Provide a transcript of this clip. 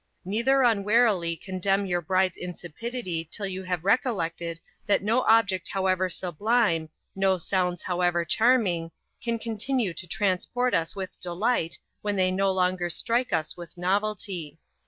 Neither unwarily condemn your bride's insipidity till you have recollected that no object however sublime, no sounds however charming, can continue to transport us with delight when they no longer strike us with novelty.